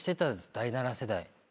第７世代。